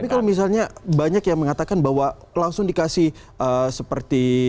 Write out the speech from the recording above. tapi kalau misalnya banyak yang mengatakan bahwa langsung dikasih seperti